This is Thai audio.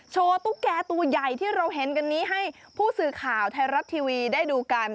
ตุ๊กแก่ตัวใหญ่ที่เราเห็นกันนี้ให้ผู้สื่อข่าวไทยรัฐทีวีได้ดูกัน